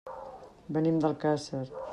Venim d'Alcàsser.